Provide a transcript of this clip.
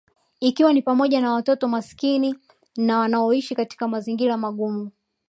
Ikiwa ni pamoja na watoto maskini na wanaoishi katika mazingira magumu